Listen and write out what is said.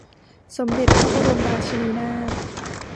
สมเด็จพระบรมราชินีนาถ